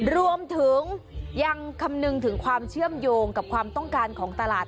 รวมถึงยังคำนึงถึงความเชื่อมโยงกับความต้องการของตลาด